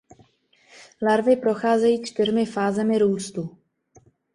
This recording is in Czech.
Larvy procházejí čtyřmi fázemi růstu.